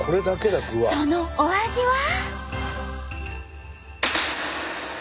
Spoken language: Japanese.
そのお味は？